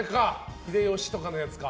秀吉とかのやつか。